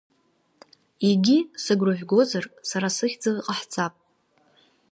Егьи, сыгәра жәгозар, сара сыхьӡала иҟаҳҵап.